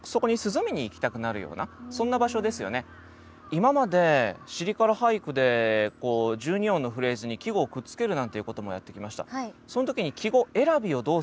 今まで「尻から俳句」で１２音のフレーズに季語をくっつけるなんていうこともやってきました。